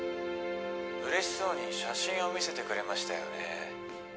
嬉しそうに写真を見せてくれましたよね